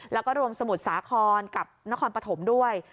แล้วก็รวมสมุทรสาครกับนครปฐมด้วย